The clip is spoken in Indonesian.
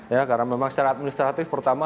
ya karena memang secara administratif pertama